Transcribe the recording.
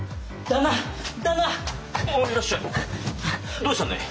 どうしたんだい？